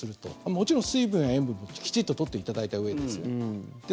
もちろん、水分や塩分もきちんと取っていただいたうえでですよ。